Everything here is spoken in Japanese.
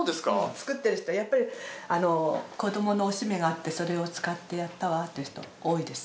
作ってる人はやっぱり子どものおしめがあってそれを使ってやったわっていう人多いです。